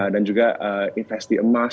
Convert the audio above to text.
dan juga investasi di emas